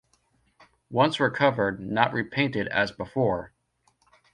Once recovered not repainted as before.